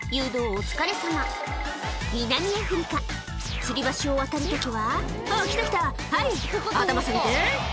お疲れさま南アフリカつり橋を渡る時は「来た来たはい頭下げて」